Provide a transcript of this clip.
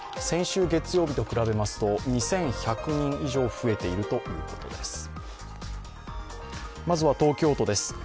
先週月曜日と比べますと２１００人以上増えているということです。